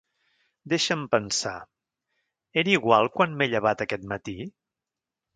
Deixa'm pensar: era igual quan m'he llevat aquest matí?